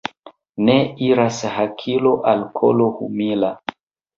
Ne iras hakilo al kolo humila.